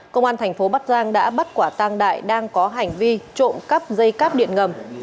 công an thành phố bắc giang đã bắt quả tăng đại đang có hành vi trộm cắp dây cáp điện ngầm